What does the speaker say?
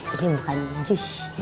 ini bukan jus